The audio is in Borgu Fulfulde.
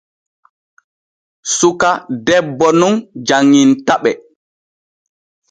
Suka debbo nun janŋintaɓe.